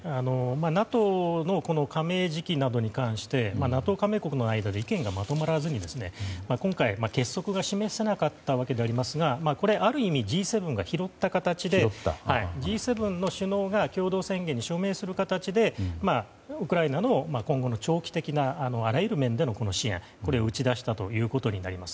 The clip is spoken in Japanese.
ＮＡＴＯの加盟時期などに関してＮＡＴＯ加盟国の間で意見がまとまらず今回結束が示せなかったんですがある意味、Ｇ７が拾った形でＧ７の首脳が共同宣言に署名する形でウクライナの今後の長期的なあらゆる面でのこの支援を打ち出したということになります。